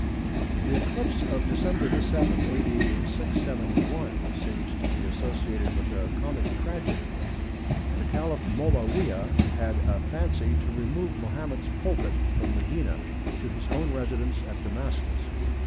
The eclipse of Dec. 7, A.D. 671, seems to be associated with a comic tragedy. The Caliph Moawiyah had a fancy to remove Mahomet's pulpit from Medina to his own residence at Damascus.